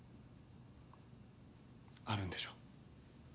あるんでしょ？